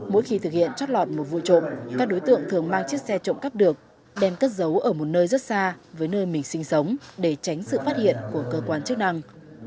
mỗi khi thực hiện trót lọt một vụ trộm các đối tượng thường mang chiếc xe trộm cắp được đem cất giấu ở một nơi rất xa với nơi mình sinh sống để tránh sự phát hiện của cơ quan chức năng